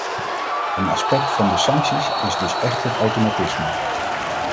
Een aspect van de sancties is dus echt het automatisme.